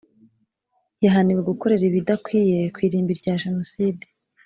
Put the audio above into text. Yahaniwe gukorera ibidakwiye ku irimbi rya Jenoside